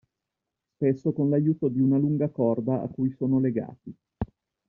Spesso con l'aiuto di una lunga corda a cui sono legati.